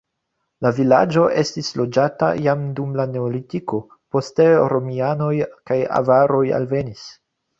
La vilaĝo estis loĝata jam dum la neolitiko, poste romianoj kaj avaroj alvenis.